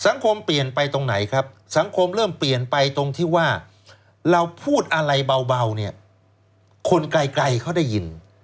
เปลี่ยนไปตรงไหนครับสังคมเริ่มเปลี่ยนไปตรงที่ว่าเราพูดอะไรเบาเนี่ยคนไกลเขาได้ยิน